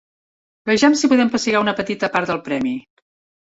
Vejam si podem pessigar una petita part del premi.